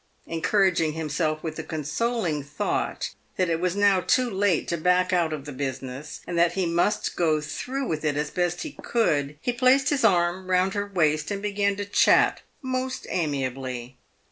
Encouraging himself with the consoling thought that it w T as now too late to back out of the business, and that he must go through with it as best he could, he placed his arm round her waist and began to chat most amiably.